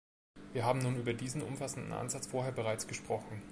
Wir haben nun über diesen umfassenden Ansatz vorher bereits gesprochen.